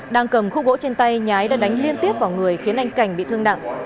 đang cầm khu gỗ trên tay nhái đã đánh liên tiếp vào người khiến anh cành bị thương nặng